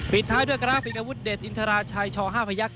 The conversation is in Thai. ปิดท้ายด้วยการราฟิตอาวุธเด็ดอินทราชัยชห้าพยักษ์